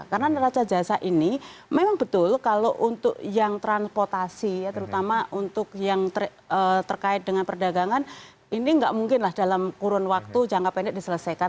karena neraca jasa ini memang betul kalau untuk yang transportasi ya terutama untuk yang terkait dengan perdagangan ini nggak mungkin lah dalam kurun waktu jangka pendek diselesaikan